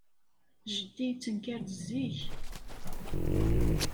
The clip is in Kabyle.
Jeddi yettenkar-d zik.